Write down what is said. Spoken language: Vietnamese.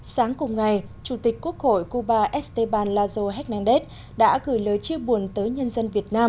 sáng cùng ngày chủ tịch quốc hội cuba esteban lazo hezendet đã gửi lời chia buồn tới nhân dân việt nam